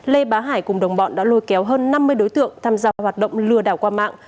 lê bá hải cùng đồng bọn đã lôi kéo hơn năm mươi đối tượng tham gia hoạt động lừa đảo qua mạng